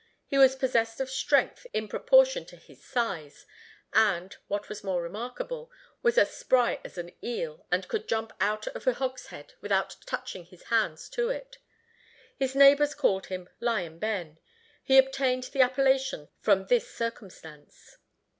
He was possessed of strength in proportion to his size, and, what was more remarkable, was as spry as an eel, and could jump out of a hogshead without touching his hands to it. His neighbors called him "Lion Ben." He obtained the appellation from this circumstance.